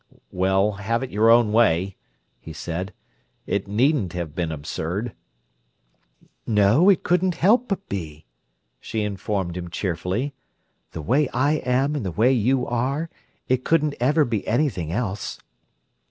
"Well, have it your own way," he said. "It needn't have been absurd." "No, it couldn't help but be!" she informed him cheerfully. "The way I am and the way you are, it couldn't ever be anything else.